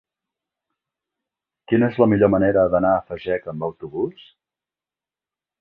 Quina és la millor manera d'anar a Fageca amb autobús?